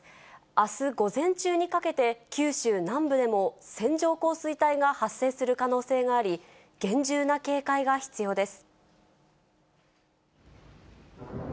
あす午前中にかけて、九州南部でも線状降水帯が発生する可能性があり、厳重な警戒が必要です。